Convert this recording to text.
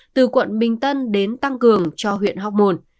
từ quận bình tân đến tăng cường cho huyện hóc môn